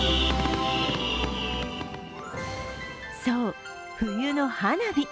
そう、冬の花火。